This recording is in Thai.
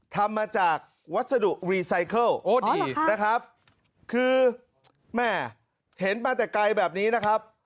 ทำมาจากวัสดุรีไซเคิลโอ้ดีนะครับคือแม่เห็นมาแต่ไกลแบบนี้นะครับ